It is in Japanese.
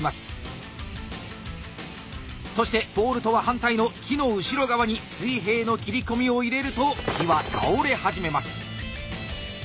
そしてポールとは反対の木の後ろ側に水平の切り込みを入れると木は倒れ始めます。